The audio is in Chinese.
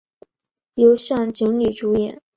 由向井理主演。